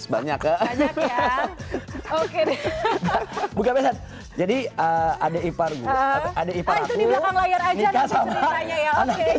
banyak ya oke jadi ada ipar gue ada itu di belakang layar aja nanti ceritanya ya oke